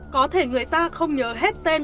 có thể người ta không nhớ hết tên